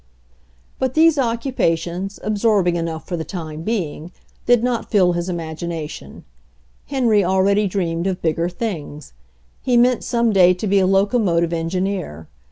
But these occupations, absorbing enough for the time being, did not fill his imagination. Henry already dreamed of bigger things. He meant, some day, to be a locomotive engineer.